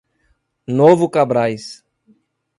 Novo Cabrais